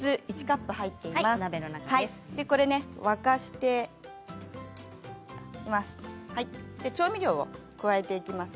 これを沸かしています。